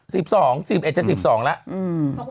สิบสองสิบเอ็ดจะสิบสองแล้วอืม